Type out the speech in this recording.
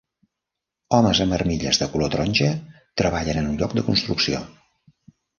Homes amb armilles de color taronja treballen en un lloc de construcció.